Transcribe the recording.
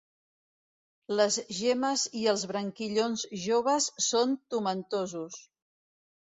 Les gemmes i els branquillons joves són tomentosos.